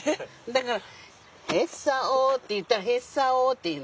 だから「ヘッサホー」って言ったら「ヘッサホー」って言うの。